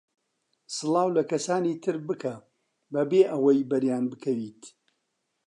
سڵاو لە کەسانی تر بکە بەبێ ئەوەی بەریان بکەویت.